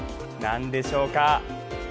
何でしょうか？